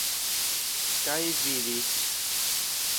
Kaj vidis.